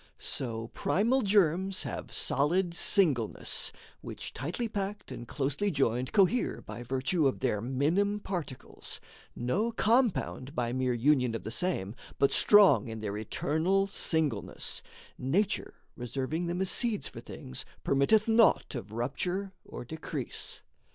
So primal germs have solid singleness, Which tightly packed and closely joined cohere By virtue of their minim particles No compound by mere union of the same; But strong in their eternal singleness, Nature, reserving them as seeds for things, Permitteth naught of rupture or decrease.